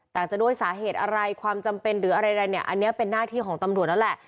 แต่จะด้วยสาเหตุอะไรความจำเป็นหรืออะไรเนี่ยอันนี้เป็นหน้าที่ของตำรวจแล้วแหละ